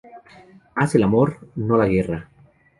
Haz el amor, no la guerra